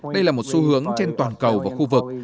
đây là một xu hướng trên toàn cầu và khu vực